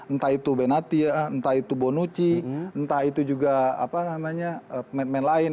entah itu benazia entah itu bonucci entah itu juga pemain pemain lain